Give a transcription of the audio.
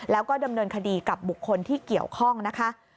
แล้วก็ดำเนินคดีกับบุคคลที่เกี่ยวข้องนะคะ